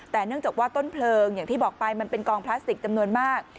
แต่เนื่องจากว่าต้นเพลิงอย่างที่บอกไปมันเป็นกองพลาสติกจำนวนมาก